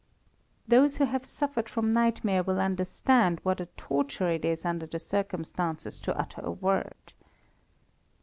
Those who have suffered from nightmare will understand what a torture it is under the circumstances to utter a word.